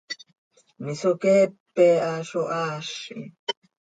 misoqueepe ha zo haazi!